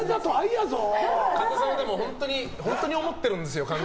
でも、神田さんは本当に思ってるんですよ。